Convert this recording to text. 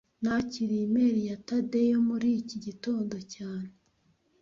Nakiriye imeri ya Tadeyo muri iki gitondo cyane